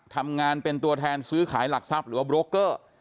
ทำงานเป็นตัวแทนซื้อขายหลักทรัพย์หรือว่าโบรกเกอร์